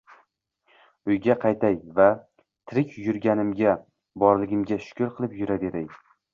Uyga qaytay — va tirik yurganimga, borligimga shukr qilib yuraveray.